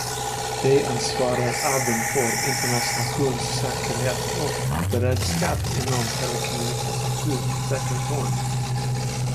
De ansvarar även för informationssäkerhet och beredskap inom telekommunikationssektorn.